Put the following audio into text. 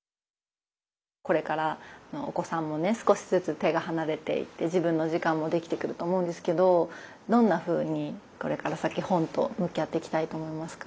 これからお子さんもね少しずつ手が離れていって自分の時間もできてくると思うんですけどどんなふうにこれから先本と向き合っていきたいと思いますか？